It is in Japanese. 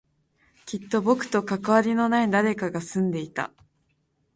きっと僕と関わりのない誰かが住んでいた